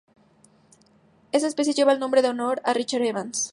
Esta especie lleva el nombre en honor a Richard Evans.